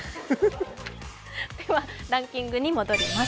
ランキングに戻ります。